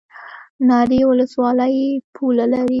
ناری ولسوالۍ پوله لري؟